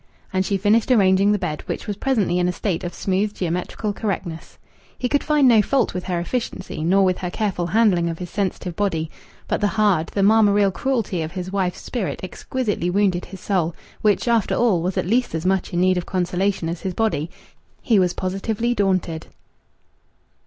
And she finished arranging the bed, which was presently in a state of smooth geometrical correctness. He could find no fault with her efficiency, nor with her careful handling of his sensitive body. But the hard, the marmoreal cruelty of his wife's spirit exquisitely wounded his soul, which, after all, was at least as much in need of consolation as his body. He was positively daunted.